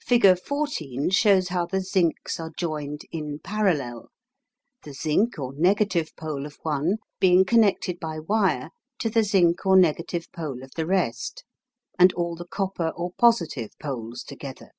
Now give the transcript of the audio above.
Figure 14 shows how the zincs are joined "in parallel," the zinc or negative pole of one being connected by wire to the zinc or negative pole of the rest, and all the copper or positive poles together.